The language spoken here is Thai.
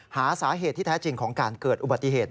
หาสาเหตุที่แท้จริงของการเกิดอุบัติเหตุ